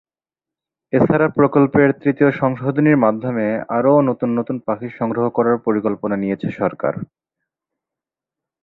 এছাড়া প্রকল্পের তৃতীয় সংশোধনীর মাধ্যমে আরও নতুন নতুন পাখি সংগ্রহ করার পরিকল্পনা নিয়েছে সরকার।